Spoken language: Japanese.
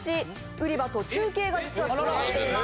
売場と中継が実はつながっています。